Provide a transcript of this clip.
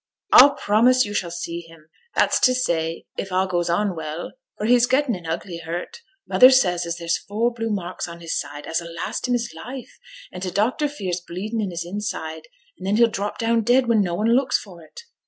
'A'll promise yo' shall see him; that's t' say if a' goes on well, for he's getten an ugly hurt. Mother says as there's four blue marks on his side as'll last him his life, an' t' doctor fears bleeding i' his inside; and then he'll drop down dead when no one looks for 't.'